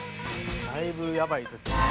「だいぶやばい時」